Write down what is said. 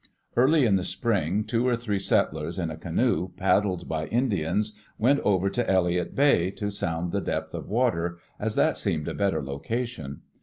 Early in the spring, two or three settlers, in a canoe paddled by Indians, went over to Elliott Bay to sound the depth of water, as that seemed a better location.